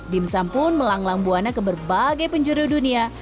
dimsum pun melanglang buana ke berbagai penjuru dunia